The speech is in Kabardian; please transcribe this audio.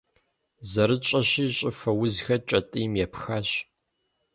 Зэрытщӏэщи, щӏыфэ узхэр кӏэтӏийм епхащ.